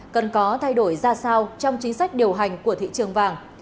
cần có thay đổi ra sao trong chính sách điều hành của thị trường vàng